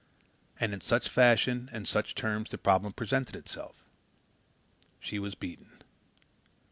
And in such fashion and such terms the problem presented itself. She was beaten.